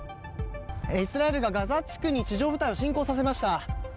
イスラエルがガザ地区に地上部隊を侵攻させました。